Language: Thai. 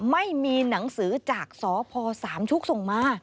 ไม่มีหนังสือจากสพสามชุกส่งมา